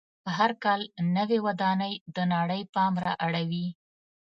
هر کال نوې ودانۍ د نړۍ پام را اړوي.